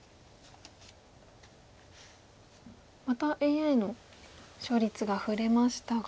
またＡＩの勝率が振れましたが。